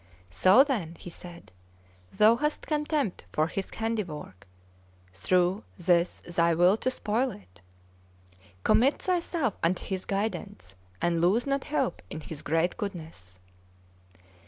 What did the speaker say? "So, then," he said, "thou hast contempt for His handiwork, through this thy will to spoil it? Commit thyself unto His guidance, and lose not hope in His great goodness!"